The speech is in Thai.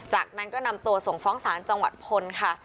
จากนั้นก็นำตัวส่งฟ้องศาลจังหวัดพลค่ะ